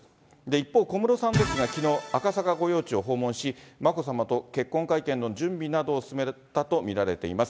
一方、小室さんですが、きのう、赤坂御用地を訪問し、眞子さまと結婚会見の準備などを進めたと見られています。